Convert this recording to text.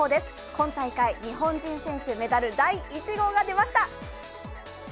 今大会日本人選手メダル第１号が出ました。